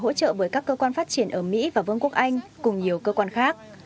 công ty viamo được hỗ trợ bởi các cơ quan phát triển ở mỹ và vương quốc anh cùng nhiều cơ quan khác